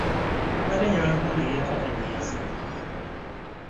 Mbadde njagala kundagirira taata gye yazimba.